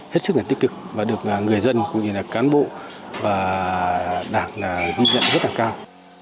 hết sức là tích cực và được người dân cũng như là cán bộ và đảng ghi nhận rất là cao